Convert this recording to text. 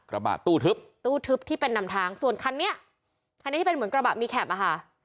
กระบะตู้ทึบตู้ทึบที่เป็นนำทางส่วนคันนี้คันนี้ที่เป็นเหมือนกระบะมีแคปอ่ะค่ะ